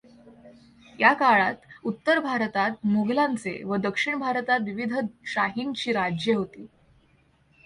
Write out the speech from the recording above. या काळात उत्तर भारतात मोगलांचे व दक्षिण भारतात विविध शाहींची राज्ये होती.